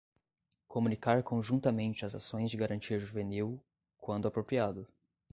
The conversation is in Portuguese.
Comunicar conjuntamente as ações de garantia juvenil, quando apropriado.